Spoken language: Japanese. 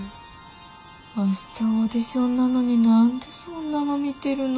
明日オーディションなのに何でそんなの見てるの。